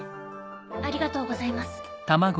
ありがとうございます。